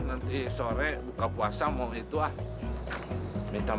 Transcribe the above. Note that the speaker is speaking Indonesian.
nanti sore buka puasa mau itu ah minta